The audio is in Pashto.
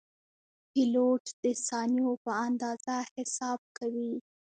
پیلوټ د ثانیو په اندازه حساب کوي.